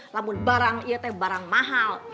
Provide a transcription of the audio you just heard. namun barang iya teh barang mahal